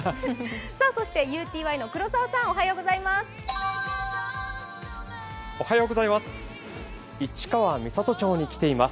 ＵＴＹの黒澤さん、おはようございます。